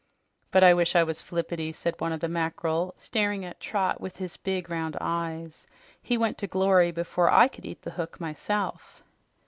"But I wish I was Flippity," said one of the mackerel, staring at Trot with his big, round eyes. "He went to glory before I could eat the hook myself."